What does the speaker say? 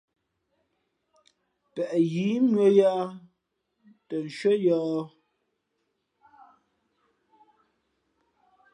Peʼ yǐ mʉ̄ᾱ yāā tα nshʉ́ά yǒh.